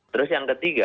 terus yang ketiga